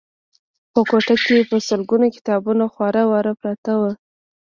په کوټه کې په سلګونه کتابونه خواره واره پراته وو